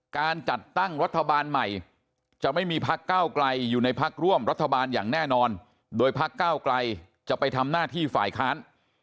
การจัดตั้งรัฐบาลใหม่จะไม่มีพักเก้าไกลอยู่ในพักร่วมรัฐบาลอย่างแน่นอนโดยพักเก้าไกลจะไปทำหน้าที่ฝ่ายค้าน